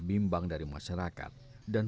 bimbang dari masyarakat dan